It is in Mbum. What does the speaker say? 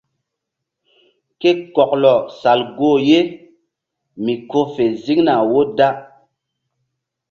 Ke kɔklɔ sal goh ye mi ko fe ziŋna wo da.